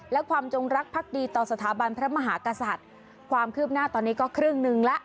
และความจงรักพักดีต่อสถาบันพระมหากษัตริย์ความคืบหน้าตอนนี้ก็ครึ่งหนึ่งแล้ว